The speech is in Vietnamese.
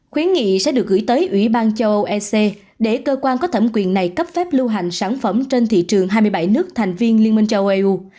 khuyến nghị sẽ được gửi tới ủy ban châu âu ec để cơ quan có thẩm quyền này cấp phép lưu hành sản phẩm trên thị trường hai mươi bảy nước thành viên liên minh châu âu